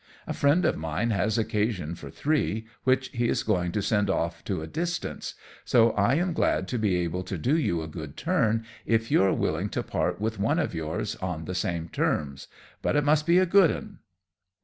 A friend of mine has occasion for three, which he is going to send off to a distance; so I am glad to be able to do you a good turn, if you are willing to part with one of yours on the same terms; but it must be a good 'un.'